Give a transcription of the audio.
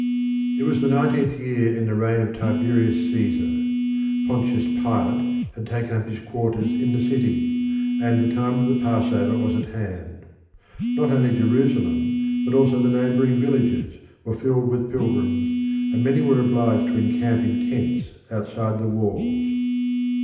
It was the nineteenth year of the reign of Tiberius Caesar. Pontius Pilate had taken up his quarters in the city, and the time of the Passover was at hand. Not only Jerusalem, but also the neighbouring villages, were filled with pilgrims, and many were obliged to encamp in tents outside the walls.